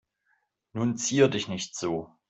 Nun zier dich nicht so.